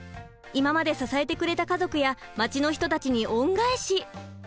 今まで支えてくれた家族や町の人たちに恩返し。